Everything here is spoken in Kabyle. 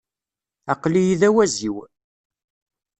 Aql-iyi d awaziw.